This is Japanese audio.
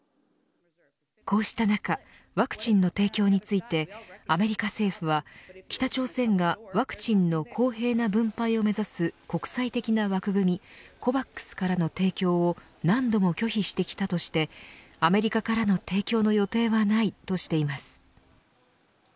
こうした中ワクチンの提供についてアメリカ政府は北朝鮮がワクチンの公平な分配を目指す国際的な枠組みＣＯＶＡＸからの提供を何度も拒否してきたとしてアメリカからの提供の予定はないとしています。